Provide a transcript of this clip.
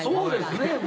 そうですね。